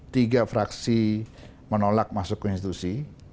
tiga fraksi menolak masuk ke konstitusi